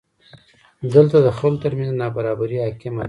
دلته د خلکو ترمنځ نابرابري حاکمه ده.